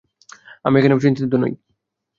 আমি এমনিতেও চিন্তিত নই।